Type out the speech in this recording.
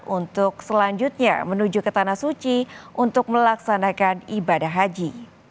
untuk selanjutnya menuju ke tanah suci untuk melaksanakan ibadah haji